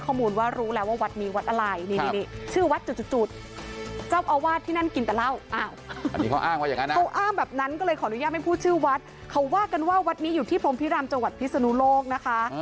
เขาอ้างว่ากันว่าวัดนี้อยู่ที่พรมพิรามจมัดพิษนุโลก